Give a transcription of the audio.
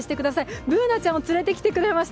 Ｂｏｏｎａちゃんを連れてきてくれました。